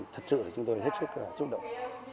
thật sự là chúng tôi hết sức xúc động